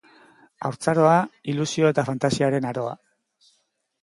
Haurtzaroa, ilusio eta fantasiaren aroa.